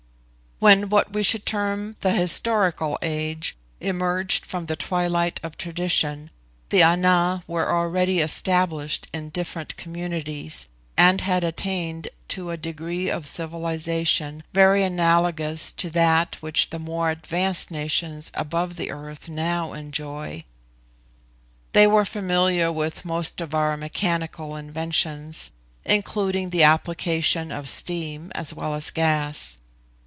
When what we should term the historical age emerged from the twilight of tradition, the Ana were already established in different communities, and had attained to a degree of civilisation very analogous to that which the more advanced nations above the earth now enjoy. They were familiar with most of our mechanical inventions, including the application of steam as well as gas.